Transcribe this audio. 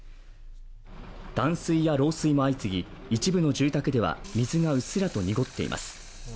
断水や漏水も相次ぎ、一部の住宅では水がうっすらと濁っています。